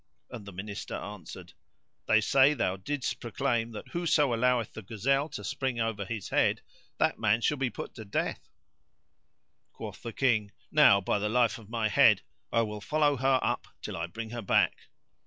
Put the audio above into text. and the Minister answered, "They say thou didst proclaim that whoso alloweth the gazelle to spring over his head, that man shall be put to death." Quoth the King, "Now, by the life of my head! I will follow her up till I bring her back."